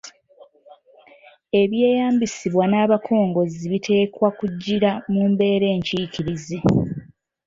ebyeyambisibwa n’abakongozzi biteekwa okugiira mu mbeera enkiikirizi.